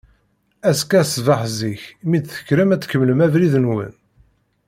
Azekka ṣṣbeḥ zik, mi d-tekkrem ad tkemmlem abrid-nwen.